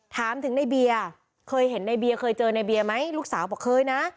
ถามถึงในเบียร์เคยเห็นในเบียร์เคยเจอในเบียร์ไหมลูกสาวบอกเคยนะ